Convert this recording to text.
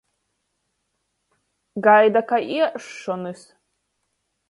Gaida kai iesšonys.